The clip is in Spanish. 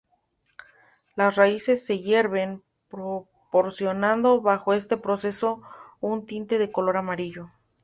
Las raíces se hierven, proporcionando bajo este proceso un tinte de color amarillo.